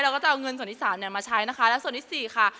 ก็จะเอาเงินส่วนที่สามเนี่ยมาใช้นะคะและส่วนที่สี่ค่ะ